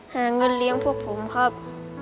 หาเงินเลี้ยงพวกผมครับ